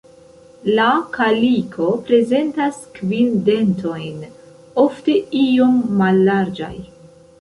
La kaliko prezentas kvin dentojn, ofte iom mallarĝaj.